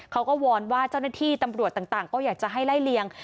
เขาก็วอนว่าเจ้าหน้าที่ตำรวจต่างก็อยากจะให้ไล่เลียง